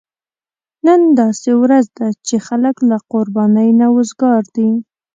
نن داسې ورځ ده چې خلک له قربانۍ نه وزګار دي.